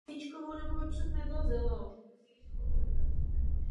Platil si tedy cestu sám.